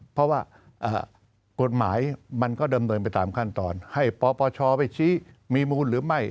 เพราะว่ากฎหมายมันก็ดำเนินไปตามขั้นตอนให้ปปชไปชี้มีมูลหรือไม่